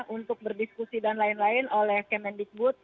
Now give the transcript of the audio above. untuk berdiskusi dan lain lain oleh kemendikbud